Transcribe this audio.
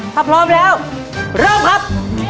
ถ้าพร้อมแล้วรบครับ